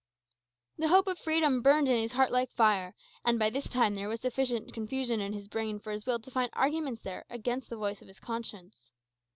The hope of freedom burned in his heart like fire; and by this time there was sufficient confusion in his brain for his will to find arguments there against the voice of his conscience.